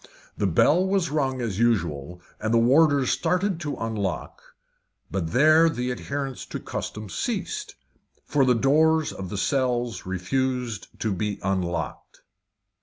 The bell was rung as usual, and the warders started to unlock, but there the adherence to custom ceased, for the doors of the cells refused to be unlocked.